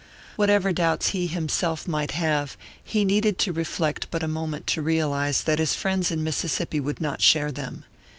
Whatever doubts he himself might have, he needed to reflect but a moment to realise that his friends in Mississippi would not share them.